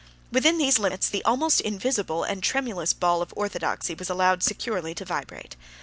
60 Within these limits, the almost invisible and tremulous ball of orthodoxy was allowed securely to vibrate.